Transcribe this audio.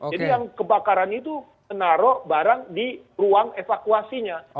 jadi yang kebakaran itu menaruh barang di ruang evakuasinya